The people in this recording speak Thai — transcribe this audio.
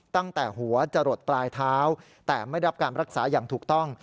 ตั้งแต่หัวจะหลดปลายเท้าแต่ไม่รับการรักษาอย่างถูกต้อง